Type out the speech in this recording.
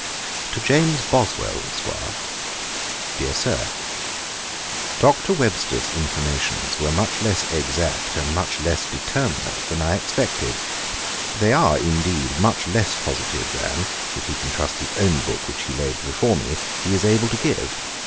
'To JAMES BOSWELL, ESQ. 'DEAR SIR, 'Dr. Webster's informations were much less exact and much less determinate than I expected: they are, indeed, much less positive than, if he can trust his own book which he laid before me, he is able to give.